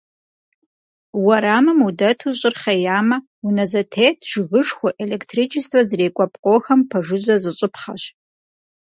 Уэрамым удэту щӏыр хъеямэ, унэ зэтет, жыгышхуэ, электричествэ зрикӏуэ пкъохэм пэжыжьэ зыщӏыпхъэщ.